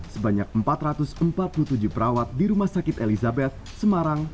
sebanyak empat ratus empat puluh tujuh perawat di rumah sakit elizabeth semarang